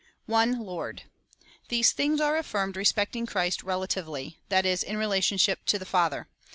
One Lord. These things are affirmed respecting Christ relatively, that is, in relationship to the Father.